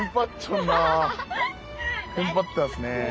テンパってますね。